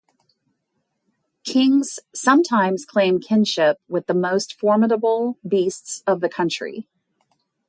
Kings sometimes claim kinship with the most formidable beasts of the country.